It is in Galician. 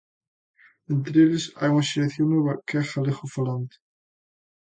Entre eles hai unha xeración nova que é galegofalante.